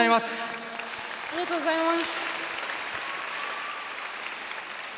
おめでとうございます。